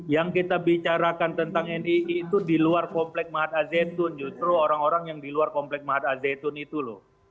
yang kita bicarakan tentang nii itu di luar komplek mahat azetun justru orang orang yang di luar komplek mahat al zaitun itu loh